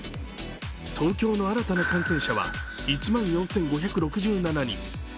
東京の新たな感染者は１万４５６７人。